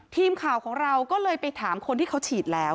ทีมข่าวของเราก็เลยไปถามคนที่เขาฉีดแล้ว